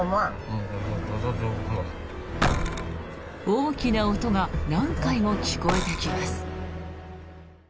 大きな音が何回も聞こえてきます。